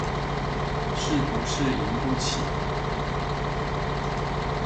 是不是贏不起